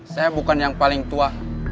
saya bukan yang paling tua